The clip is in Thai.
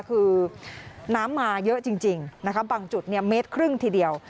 คือน้ำมาเยอะจริงนะคะบางจุดเมตรครึ่งทีเดียว